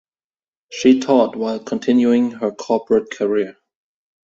She taught while continuing her corporate career.